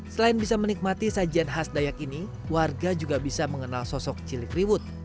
selain bisa menikmati sajian khas dayak ini warga juga bisa mengenal sosok cilikriwut